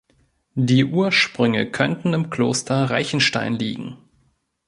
Die Ursprünge könnten im Kloster Reichenstein liegen.